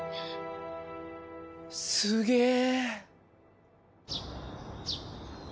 すげえ。